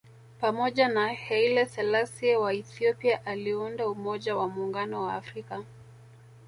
Pamoja na Haile Selassie wa Ethiopia aliunda Umoja wa Muungano wa Afrika